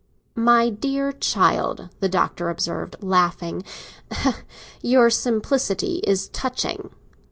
"My dear child," the Doctor observed, laughing, "your simplicity is touching.